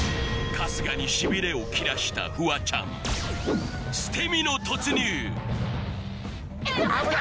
春日にしびれを切らしたフワちゃん捨て身の突入春日！